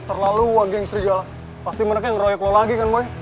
terlalu wajahnya pasti mereka ngeroyok lagi kan